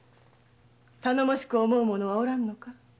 頼もしく思う者はおらぬのか？